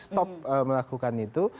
stop melakukan itu